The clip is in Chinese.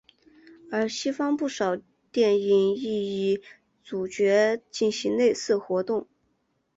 而西方不少电影亦以主角进行类似活动。